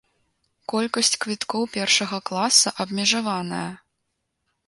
Колькасць квіткоў першага класа абмежаваная!